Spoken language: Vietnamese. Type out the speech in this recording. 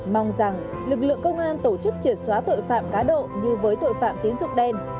mong rằng lực lượng công an tổ chức triệt xóa tội phạm cá độ như với tội phạm tín dụng đen